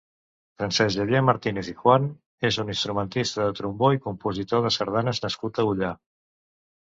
Francesc Xavier Martínez i Juan és un instrumentista de trombó i compositor de sardanes nascut a Ullà.